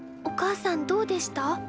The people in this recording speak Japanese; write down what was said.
おかあさんどうでした？